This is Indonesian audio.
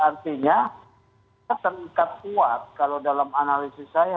artinya terikat kuat kalau dalam analisis saya